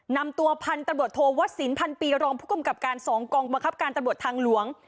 นำตัวพันธบทโทวสินพันปีรองผู้กำกับการ๒กองบังคับการตำรวจทางหลวง